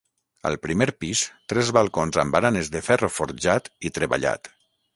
Al primer pis, tres balcons amb baranes de ferro forjat i treballat.